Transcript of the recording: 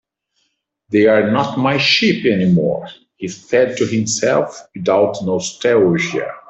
"They're not my sheep anymore," he said to himself, without nostalgia.